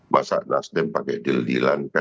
masa nasdem pakai dildilan kan